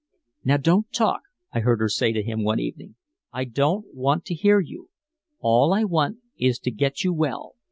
"No, don't talk," I heard her say to him one evening. "I don't want to hear you. All I want is to get you well.